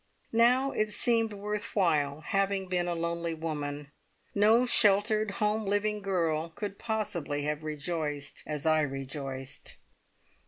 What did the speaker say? Now it seemed worth while having been a lonely woman. No sheltered, home living girl could possibly have rejoiced as I rejoiced.